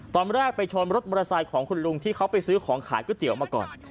ตอนแรกไปชนรถมอเตอร์ไซค์ของคุณลุงที่เขาไปซื้อของขายก๋วยเตี๋ยวมาก่อน